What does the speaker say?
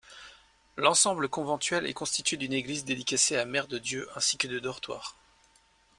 L'ensemble conventuel est constitué d'une église, dédicacée à Mère-de-Dieu, ainsi que de dortoirs.